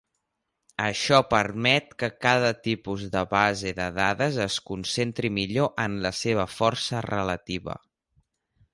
Això permet que cada tipus de base de dades es concentri millor en la seva força relativa.